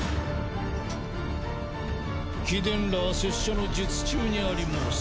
貴殿らは拙者の術中にあり申す。